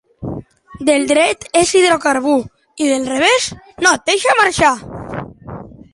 Del dret és hidrocarbur i del revés no et deixa marxar.